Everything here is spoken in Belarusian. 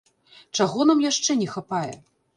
Чаго нам яшчэ не хапае?